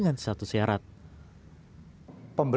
namun ia juga tak mau rumah ini dijual kepada para pembeli